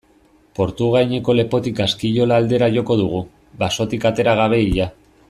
Portugaineko lepotik Askiola aldera joko dugu, basotik atera gabe ia.